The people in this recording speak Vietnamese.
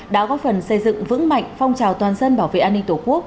đã góp phần xây dựng vững mạnh phong trào toàn dân bảo vệ an ninh tổ quốc